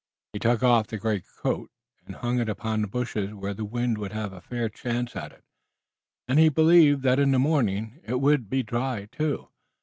He took off the greatcoat, and hung it upon the bushes where the wind would have a fair chance at it, and he believed that in the morning it would be dry, too.